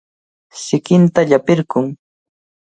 Sinqanta llapirqun.